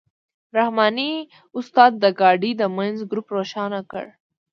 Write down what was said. رحماني استاد د ګاډۍ د منځ ګروپ روښانه کړ.